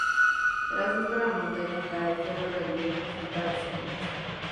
Tras esto, La Montaña cae al suelo rendido por sus graves heridas.